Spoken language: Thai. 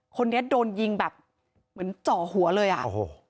คนนี้โดนยิงแบบเหมือนเจาะหัวเลยอ่ะโอ้โห